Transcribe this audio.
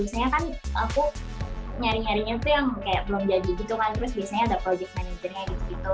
biasanya kan aku nyari nyarinya tuh yang kayak belum jadi gitu kan terus biasanya ada project managernya gitu gitu